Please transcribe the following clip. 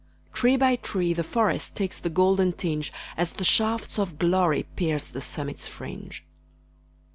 Tree by tree the forest Takes the golden tinge, As the shafts of glory Pierce the summit's fringe.